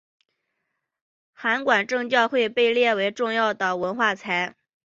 函馆正教会被列为重要文化财。